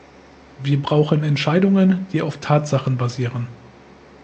Wir brauchen Entscheidungen, die auf Tatsachen basieren.